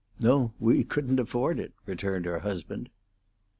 "No; we couldn't afford it," returned her husband.